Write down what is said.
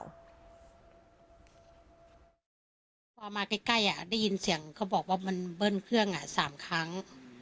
พอมาใกล้ได้ยินเสียงเขาบอกว่ามันเบิ้ลเครื่อง๓ครั้ง